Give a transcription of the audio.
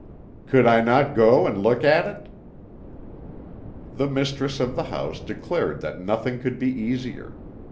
"Could I not go and look at it?" The mistress of the house declared that nothing could be easier.